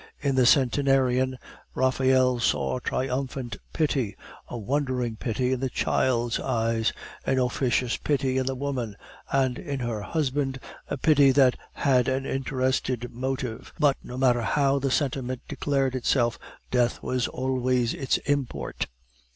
In the centenarian Raphael saw triumphant pity, a wondering pity in the child's eyes, an officious pity in the woman, and in her husband a pity that had an interested motive; but no matter how the sentiment declared itself, death was always its import.